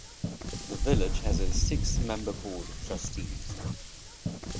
The village has a six-member Board of Trustees.